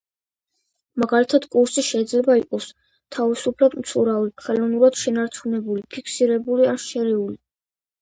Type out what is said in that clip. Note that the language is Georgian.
მაგალითად კურსი შეიძლება იყოს: თავისუფლად მცურავი, ხელოვნურად შენარჩუნებული, ფიქსირებული ან შერეული.